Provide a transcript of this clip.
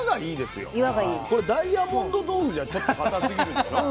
これダイヤモンド豆腐じゃちょっと固すぎるでしょ。